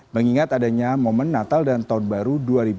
mengingat adanya momen natal dan tahun baru dua ribu dua puluh